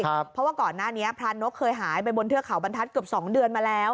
เพราะว่าก่อนหน้านี้พรานกเคยหายไปบนเทือกเขาบรรทัศน์เกือบสองเดือนมาแล้ว